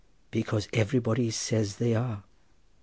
"Because everybody says they are."